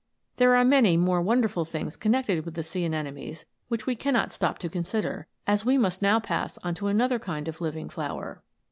There are many more wonderful things con nected with the sea anemones which we cannot stop to consider, as we must now pass on to another kind of living flower.